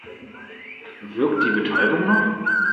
Wirkt die Betäubung noch?